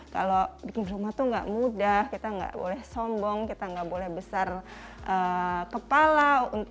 kalau bikin rumah tuh gak mudah kita nggak boleh sombong kita nggak boleh besar kepala